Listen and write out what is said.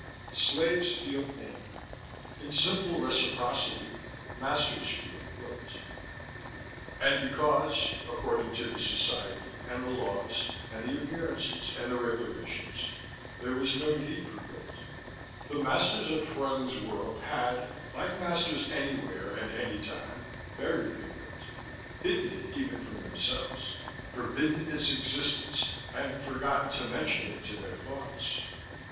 Slaves feel pain. In simple reciprocity, masters feel guilt. And because (according to the society, and the laws, and the appearances, and the regulations) there was no need for guilt, the masters of Fruyling's World had, like masters anywhere and any time, buried the guilt, hidden it even from themselves, forbidden its existence and forgotten to mention it to their thoughts.